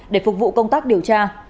để phục vụ công tác điều tra